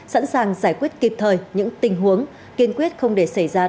sẵn sàng giải quyết kịp thời những tình huống kiên quyết không để xảy ra